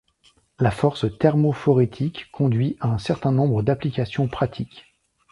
La force thermophorétique conduit à un certain nombre d'applications pratiques.